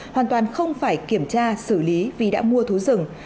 hoàn toàn không phải kiểm tra xử lý vì đã mua thú rừng